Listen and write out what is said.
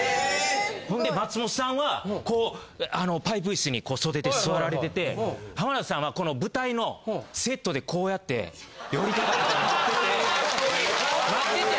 ほんで松本さんはこうパイプ椅子にこう袖で座られてて浜田さんはこの舞台のセットでこうやって寄りかかって待ってて。